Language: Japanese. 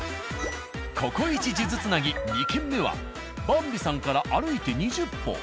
ここイチ数珠つなぎ２軒目は「ばんび」さんから歩いて２０歩。